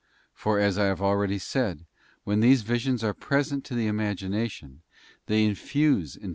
For as I have already said, when these visions are present to the imagination they infuse into the * Num, xii.